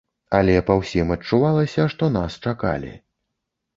Але па ўсім адчувалася, што нас чакалі.